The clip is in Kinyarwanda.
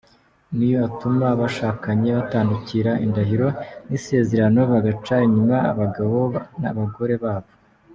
Niyo atuma abashakanye batandukira indahiro n’isezerano bagaca inyuma abagabo-bagore babo.